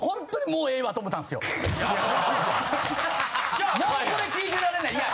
もうこれ聞いてられないいや